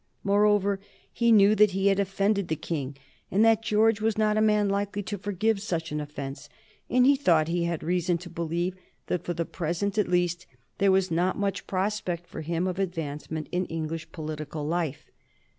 Moreover, he knew that he had offended the King, and that George was not a man likely to forgive such an offence, and he thought he had reason to believe that, for the present at least, there was not much prospect for him of advancement in English political life.